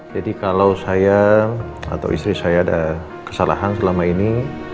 jadi kalo saya atau istri saya ada kesalahan selama ini